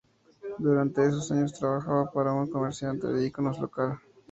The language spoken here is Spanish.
Durante esos años, trabajaba para un comerciante de iconos local.